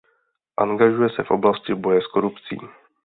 Angažuje se v oblasti boje s korupcí.